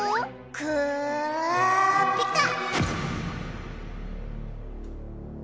「クラピカ！」